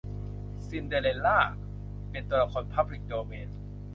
ซินเดอเรลล่า เป็นตัวละครพับลิกโดเมน